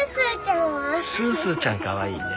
すーすーちゃんかわいいね。